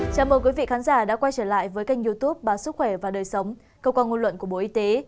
chào mừng quý vị khán giả đã quay trở lại với kênh youtube báo sức khỏe và đời sống cơ quan ngôn luận của bộ y tế